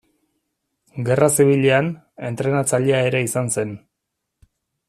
Gerra Zibilean, entrenatzailea ere izan zen.